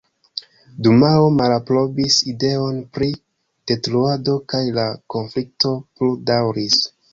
Dumao malaprobis ideon pri detruado kaj la konflikto plu daŭris.